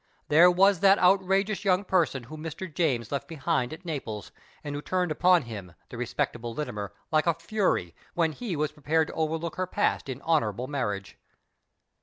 There was that outrageous young person whom Mr. James left behind at Naples and who turned upon him, the respectable Littimer, like a fury, when he was prepared to overlook her past in honourable marriage.